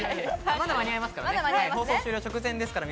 まだ間に合いますからね。